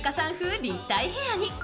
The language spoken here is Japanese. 立体ヘアに。